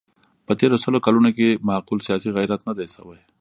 په تېرو سلو کلونو کې معقول سیاسي غیرت نه دی شوی.